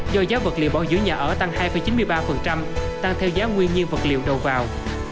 do giá vật liệu bảo dưỡng nhà ở tăng hai chín mươi ba tăng theo giá nguyên nhiên vật liệu đầu vào